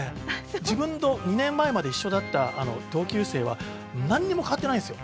自分と２年前まで一緒だった同級生はなんにも変わってないんですよ。